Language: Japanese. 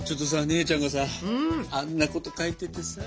姉ちゃんがさあんなこと書いててさ。